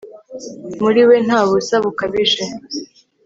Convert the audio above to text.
Muri we nta busa bukabije